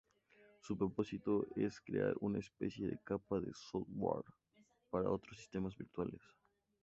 Su propósito es crear una especie de capa de software para otros sistemas virtuales.